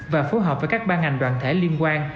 và phối hợp với các ban ngành đoàn thể liên quan